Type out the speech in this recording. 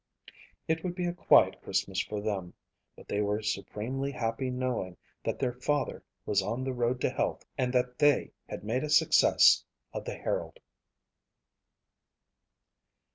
It would be a quiet Christmas for them but they were supremely happy knowing that their father was on the road to health and that they had made a success of the Herald.